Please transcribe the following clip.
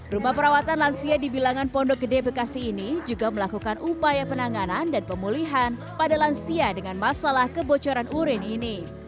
rumah perawatan lansia di bilangan pondok gede bekasi ini juga melakukan upaya penanganan dan pemulihan pada lansia dengan masalah kebocoran urin ini